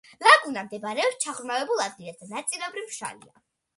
ლაგუნა მდებარეობს ჩაღრმავებულ ადგილას და ნაწილობრივ მშრალია.